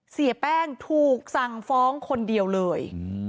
เสียแป้งถูกสั่งฟ้องคนเดียวเลย